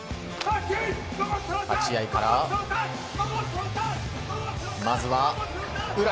立ち合いからまずは宇良。